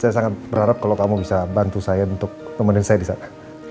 saya sangat berharap kalau kamu bisa bantu saya untuk menemani saya disana